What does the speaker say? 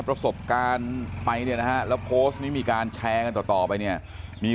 ประสบการณ์ไปเนี่ยนะฮะแล้วโพสต์นี้มีการแชร์กันต่อต่อไปเนี่ยมี